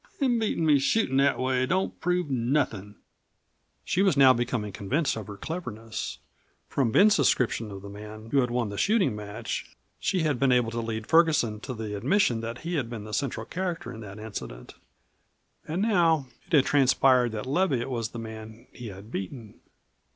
"Him beatin' me shootin' that way don't prove nothin'." She was now becoming convinced of her cleverness. From Ben's description of the man who had won the shooting match she had been able to lead Ferguson to the admission that he had been the central character in that incident, and now it had transpired that Leviatt was the man he had beaten.